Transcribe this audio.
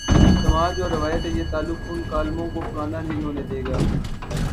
سماج اور روایت سے یہ تعلق ان کالموں کوپرانا نہیں ہونے دے گا۔